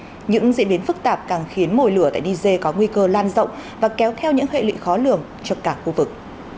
tuy nhiên những diễn biến phức tạp càng khiến mồi lửa tại niger có nguy cơ lan rộng và kéo theo những hệ lụy khó lường cho cả khu vực